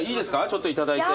ちょっといただいて。